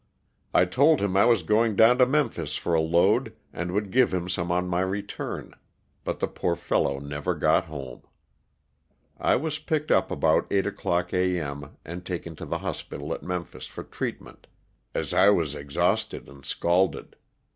I told him I was going down to Memphis for a load and would give him some on my return, but the poor fellow never got home. I was picked up about eight o'clock a. m. and taken to the hospital at Memphis for treatment, as I was ex hausted and scalded.